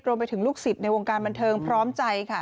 รวมไปถึงลูกสิบในวงการบันเทิงพร้อมใจค่ะ